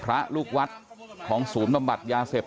พระลูกวัฒน์ของสูงบำบัดยาเสพ